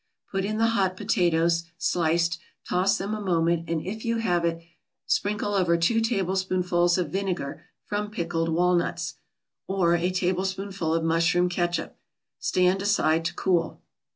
Put in the hot potatoes, sliced, toss them a moment, and if you have it, sprinkle over two tablespoonfuls of vinegar from pickled walnuts, or a tablespoonful of mushroom catsup. Stand aside to cool.